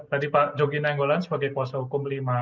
tadi pak jogi nainggolan sebagai kuasa hukum lima